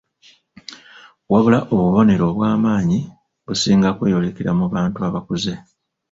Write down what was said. Wabula, obubonero obw'amaanyi businga kweyolekera mu bantu abakuze.